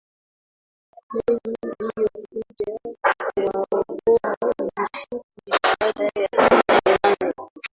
meli iliyokuja kuwaokoa ilifika baada ya saa nne